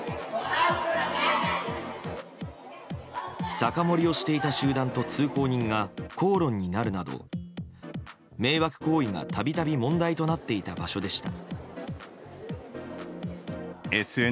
酒盛りをしていた集団と通行人が口論になるなど迷惑行為がたびたび問題となっていた場所でした。